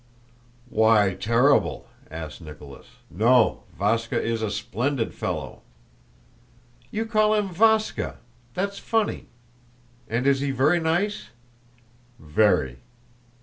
"Why terrible?" asked Nicholas. "No, Váska is a splendid fellow." "You call him Váska? That's funny! And is he very nice?" "Very."